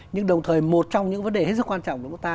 nhưng đồng thời một trong những vấn đề rất quan trọng của chúng ta